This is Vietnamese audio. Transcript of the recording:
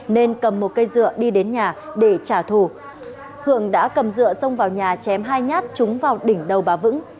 nên cầm một cây rượu đi đến nhà để trả thù hưởng đã cầm rượu xong vào nhà chém hai nhát trúng vào đỉnh đầu bà vững